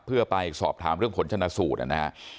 เพื่อไปสอบถามเรื่องผลชนะสูตรนะฮะ